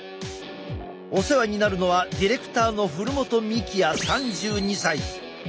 お世話になるのはディレクターの古元幹也３２歳。